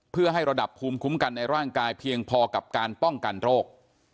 เพื่อให้ระดับภูมิคุ้มกันในร่างกายเพียงพอกับการป้องกันโรค